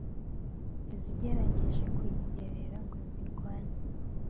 izigerageje kuyigerera ngo zirwane